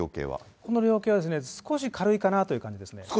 この量刑は少し軽いかなという感じですね。